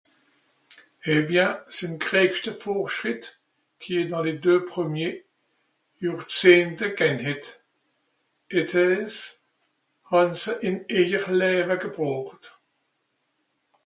eh bien sìn d'greigschte fùrtschrìtt qui est dans les deux premiers johr zehnte gähn hett étais-ce hàn se ìn eijer läwe gebroocht